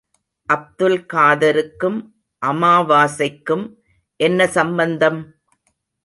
அப்துல் காதருக்கும் அமாவாசைக்கும் என்ன சம்பந்தம்?